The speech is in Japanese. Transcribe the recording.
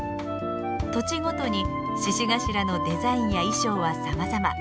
土地ごとに鹿頭のデザインや衣装はさまざま。